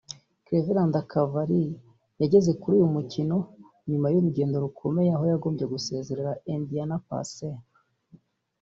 Cleveland Cavaliers yageze kuri uyu mukino nyuma y’urugendo rukomeye aho yabombye gusezerera Indiana Pacers